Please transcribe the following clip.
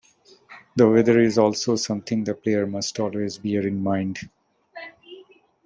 The weather is also something the player must always bear in mind.